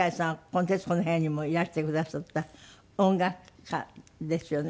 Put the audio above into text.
この『徹子の部屋』にもいらしてくだすった音楽家ですよね？